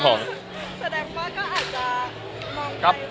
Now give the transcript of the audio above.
แสดงว่าก็อาจจะ